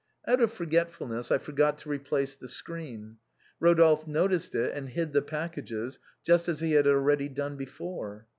" Out of forgetfulness I forgot to replace the screen. Eodolphe noticed it and hid the packages just as he had already done before.